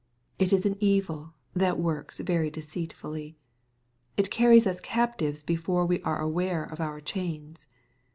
It is an evil that works very deceitfully. It carries us captives before we are aware of our chains.